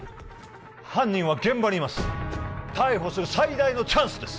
犯人は現場にいます逮捕する最大のチャンスです